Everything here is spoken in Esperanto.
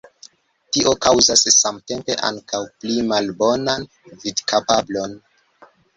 Tio kaŭzas samtempe ankaŭ pli malbonan vidkapablon.